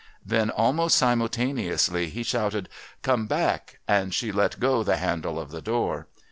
Then almost simultaneously he shouted, 'Come back,' and she let go the handle of the door.